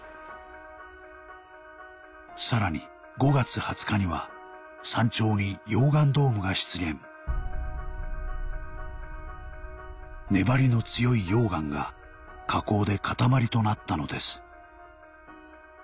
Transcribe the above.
さらに５月２０日には山頂に溶岩ドームが出現粘りの強い溶岩が火口で固まりとなったのです